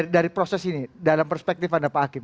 dari proses ini dalam perspektif anda pak hakim